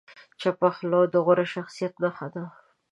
چپه خوله، د غوره شخصیت نښه ده.